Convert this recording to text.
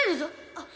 あっ。